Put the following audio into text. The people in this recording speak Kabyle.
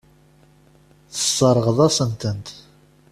Tesseṛɣeḍ-asen-tent.